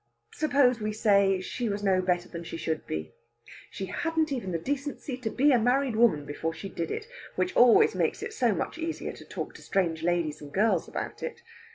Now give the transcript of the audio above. Suppose we say she was no better than she should be. She hadn't even the decency to be a married woman before she did it, which always makes it so much easier to talk to strange ladies and girls about it.